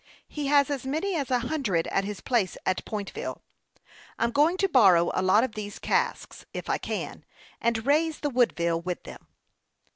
He has as many as a hundred at his place in Pointville. I'm going to borrow a lot of these casks, if I can, and raise the Woodville with them."